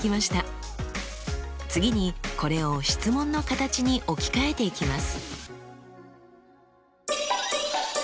次にこれを質問の形に置き換えていきます。